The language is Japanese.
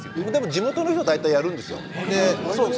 地元の人は大体やるんですよ。